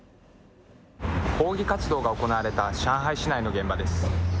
抗議活動が行われた上海市内の現場です。